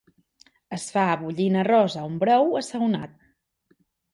Es fa bullint arròs a un brou assaonat.